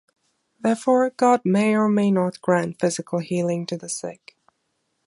Therefore, God may or may not grant physical healing to the sick.